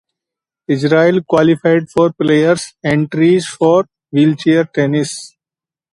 Israel qualified four players entries for wheelchair tennis.